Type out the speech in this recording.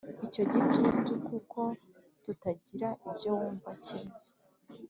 icyo nigitutu kuko kutagira ibyo wumva kimwe